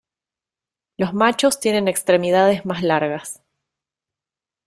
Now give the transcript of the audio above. Los machos tienen extremidades más largas.